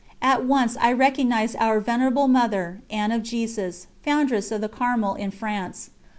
At once I recognised our Venerable Mother, Anne of Jesus, foundress of the Carmel in France.